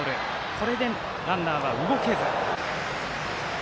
これでランナーは動けず。